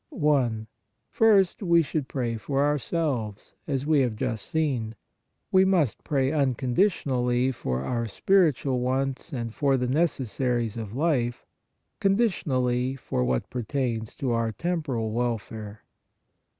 i. First, we should pray for ourselves, as we have just seen. We must pray unconditionally for our spiritual wants and for the necessaries of life; conditionally for what pertains to our temporal welfare.